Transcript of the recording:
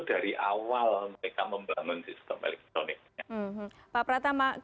dari awal mereka membangun sistem elektroniknya